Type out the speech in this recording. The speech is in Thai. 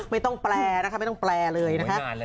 ไม่ต้องแปลนะคะไม่ต้องแปลเลยนะคะ